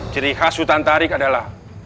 cerita sutan tarik adalah